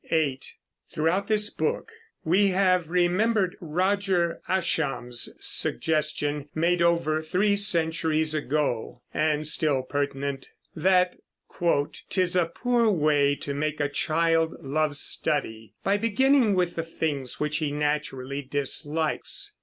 (8) Throughout this book we have remembered Roger Ascham's suggestion, made over three centuries ago and still pertinent, that "'tis a poor way to make a child love study by beginning with the things which he naturally dislikes."